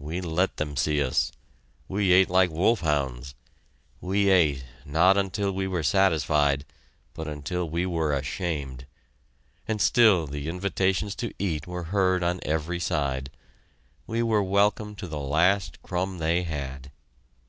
We let them see us! We ate like wolf hounds. We ate, not until we were satisfied, but until we were ashamed! And still the invitations to eat were heard on every side. We were welcome to the last crumb they had!